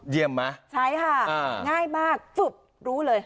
เยี่ยมไหมใช้ค่ะง่ายมากรู้เลย